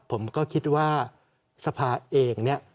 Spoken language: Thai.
ผมก็คิดว่าทรภาพกรุงเทพมนาคอลเองเนี่ย